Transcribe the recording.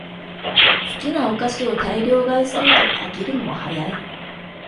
好きなお菓子を大量買いすると飽きるのも早い